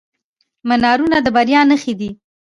منارونه د بریا نښې دي.